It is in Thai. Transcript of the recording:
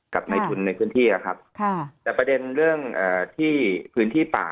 กับในทุนในพื้นที่อะครับค่ะแต่ประเด็นเรื่องที่พื้นที่ป่า